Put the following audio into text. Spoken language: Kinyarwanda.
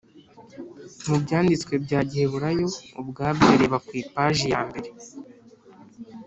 mu Byanditswe bya Giheburayo ubwabyo Reba ku ipaji yambere